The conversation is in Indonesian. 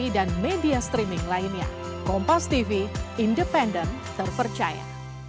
dan serang menyerang dengan israel